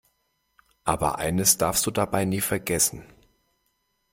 Aber eines darfst du dabei nie vergessen.